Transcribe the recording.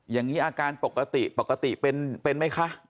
อย่างนี้อาการปกติปกติเป็นไหมคะ